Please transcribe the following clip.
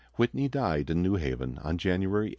Whitney died in New Haven on January 8, 1825.